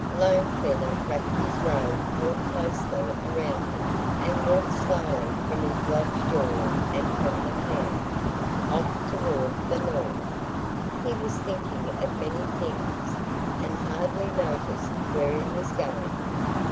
Lone Feather wrapped his robe more closely around him and walked slowly from his lodge door and from the camp, off toward the north. He was thinking of many things, and hardly noticed where he was going.